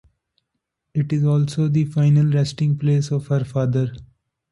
It is also the final resting place of her father.